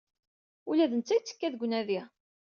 Ula d netta yettekka deg unadi.